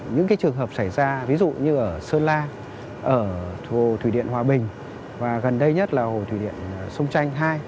những trường hợp xảy ra ví dụ như ở sơn la ở hồ thủy điện hòa bình và gần đây nhất là hồ thủy điện sông chanh hai